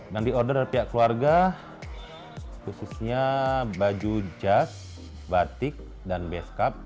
yang di order dari pihak keluarga khususnya baju jas batik dan base cap